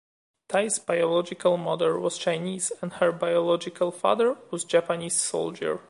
Tai's biological mother was Chinese and her biological father was a Japanese soldier.